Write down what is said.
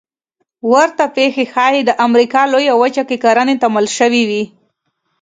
ورته پېښې ښایي د امریکا لویه وچه کې کرنې ته لامل شوې وي